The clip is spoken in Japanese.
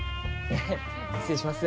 失礼します。